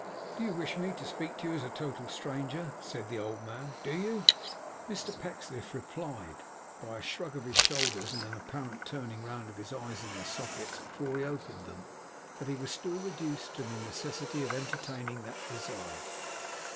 'You wish me to speak to you as to a total stranger,' said the old man, 'do you?' Mr Pecksniff replied, by a shrug of his shoulders and an apparent turning round of his eyes in their sockets before he opened them, that he was still reduced to the necessity of entertaining that desire.